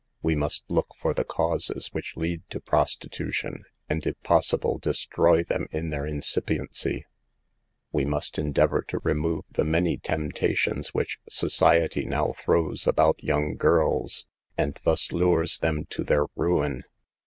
We must look for the causes which lead to prostitution, and if possible de stroy them in their incipiency. We must en deavor to remove the many temptations which society now throws about young girls, and thus lures them to their ruin.